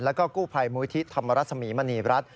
และก็กู้ภัยมูธิธรรมรสมีมณีรัฐ